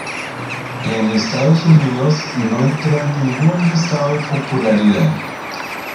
En Estados Unidos no entró en ningún listado de popularidad.